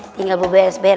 tinggal bubaya seberang